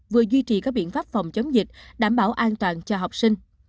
vừa duy trì các biện pháp phòng chống dịch đảm bảo an toàn cho học sinh